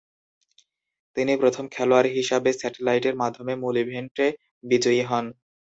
তিনি প্রথম খেলোয়াড় হিসেবে স্যাটেলাইটের মাধ্যমে মূল ইভেন্টে বিজয়ী হন।